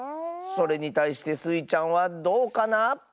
それにたいしてスイちゃんはどうかな？